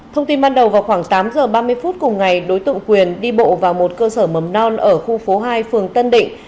thông tin ban đầu vào khoảng tám h ba mươi phút cùng ngày đối tượng quyền đi bộ vào một cơ sở mầm non ở khu phố hai phường tân định